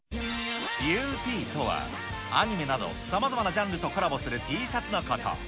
ＵＴとは、アニメなど、さまざまなジャンルとコラボするＴシャツのこと。